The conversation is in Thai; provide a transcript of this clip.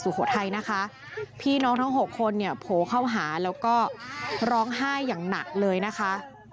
สุโขทัยนะคะพี่น้องทั้ง๖คนเนี่ยโผล่เข้าหาแล้วก็ร้องไห้อย่างหนักเลยนะคะ